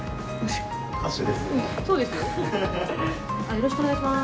よろしくお願いします。